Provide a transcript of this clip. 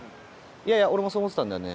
いやいや俺もそう思ってたんだよね。